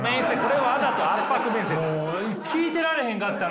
もう聞いてられへんかったな！